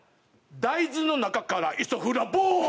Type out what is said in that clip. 大豆の中からイソフラボーン！